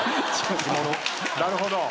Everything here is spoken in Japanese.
なるほど。